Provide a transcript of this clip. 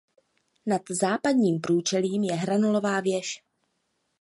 Nad západním průčelím je hranolová věž.